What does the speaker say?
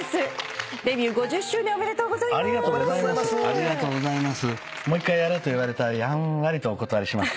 ありがとうございます。